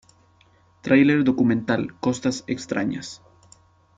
Tráiler documental Costas Extrañas